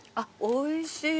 おいしい？